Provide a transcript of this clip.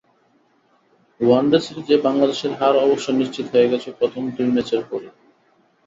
One day সিরিজে বাংলাদেশের হার অবশ্য নিশ্চিত হয়ে গেছে প্রথম দুই ম্যাচের পরই।